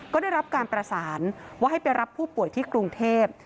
ก็ได้รับการประสานว่าให้ไปรับผู้ป่วยที่กรุงเทพ